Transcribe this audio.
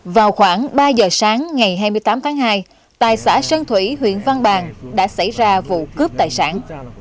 vào khoảng ba giờ sáng ngày hai mươi tám tháng hai tại xã sơn thủy huyện văn bàn đã xảy ra vụ cướp tài sản